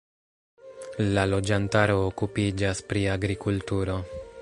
La loĝantaro okupiĝas pri agrikulturo.